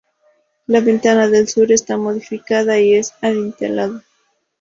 La ventana del sur está modificada y es adintelada.